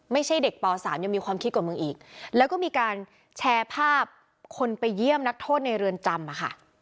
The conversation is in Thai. ไม่ใช่เด็กป๓ยังมีความคิดกว่ามึงอีกแล้วก็มีการแชร์ภาพคนไปเยี่ยมนักโทษในเรือนจำอ่ะค่ะ